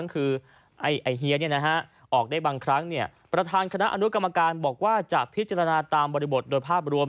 คือไอเฮียออกได้บางครั้งประธานคณะอนุกรรมการบอกว่าจะพิจารณาตามบริบทโดยภาพรวม